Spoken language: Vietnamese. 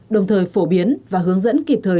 đồng thời phổ biến và hướng dẫn kịp thời